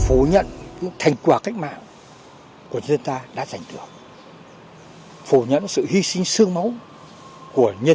phổ nhận những thành quả cách mạng của dân ta đã giành được phổ nhận sự hy sinh sương máu của nhân